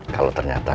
kalo ternyata kan